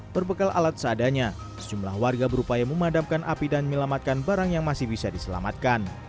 berbekal alat seadanya sejumlah warga berupaya memadamkan api dan menyelamatkan barang yang masih bisa diselamatkan